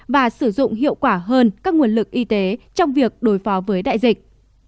và sử dụng hiệu quả hơn các nguồn lực y tế trong việc đối phó với đại dịch